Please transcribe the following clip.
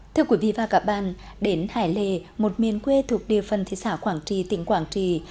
thưa quý vị và các bạn đến hải lê một miền quê thuộc địa phần thị xã quảng trì tỉnh quảng trì